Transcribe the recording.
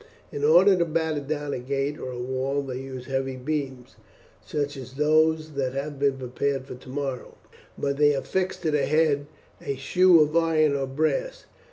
In order to batter down a gate or a wall they use heavy beams, such as those that have been prepared for tomorrow, but they affix to the head a shoe of iron or brass.